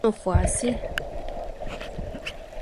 No fue así.